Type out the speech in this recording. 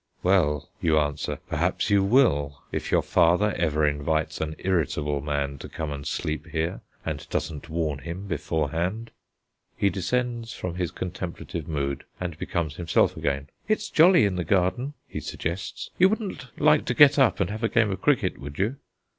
"Well," you answer, "perhaps you will, if your father ever invites an irritable man to come and sleep here, and doesn't warn him beforehand." He descends from his contemplative mood, and becomes himself again. "It's jolly in the garden," he suggests; "you wouldn't like to get up and have a game of cricket, would you?"